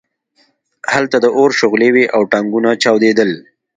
هلته د اور شغلې وې او ټانکونه چاودېدل